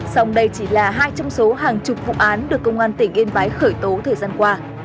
xong đây chỉ là hai trong số hàng chục vụ án được công an tỉnh yên bái khởi tố thời gian qua